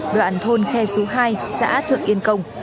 đoạn thôn khe số hai xã thượng yên công